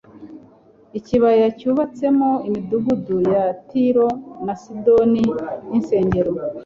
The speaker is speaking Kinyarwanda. ikibaya cyubatsemo imidugudu ya Tiro na Sidoni n'insengero